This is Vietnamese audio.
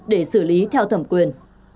để xử lý theo thẩm quyền